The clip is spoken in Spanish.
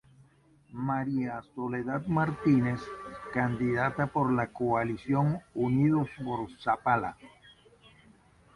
María Soledad Martínez, candidata por la coalición Unidos x Zapala.